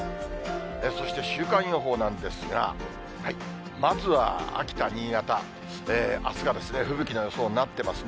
そして週間予報なんですが、まずは秋田、新潟、あすが吹雪の予想になってますね。